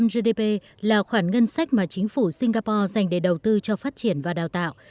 một mươi gdp là khoản ngân sách mà chính phủ singapore dành để đầu tư cho phát triển và đào tạo